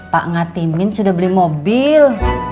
pak ngatimin sudah beli mobil